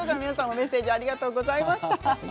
メッセージありがとうございました。